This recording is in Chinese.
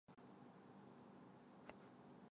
他提出要和死神下棋。